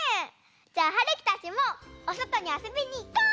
じゃあはるきたちもおそとにあそびにいこう！